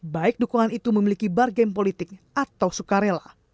baik dukungan itu memiliki bargain politik atau sukarela